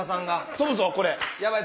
飛ぶぞこれ！